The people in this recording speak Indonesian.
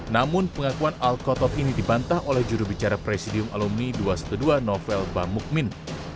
namun pengakuan al kotor ini dibantah oleh jurubicara presidium alumni dua ratus dua belas novel bamukmin